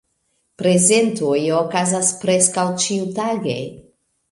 Prezentoj okazas preskaŭ ĉiutage.